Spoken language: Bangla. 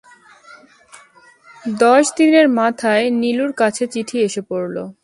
দশ দিনের মাথায় নীলুর কাছে চিঠি এসে পড়ল।